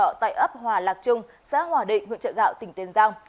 họ tại ấp hòa lạc trung xã hòa định huyện chợ gạo tỉnh tiền giang